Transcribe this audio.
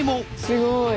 すごい。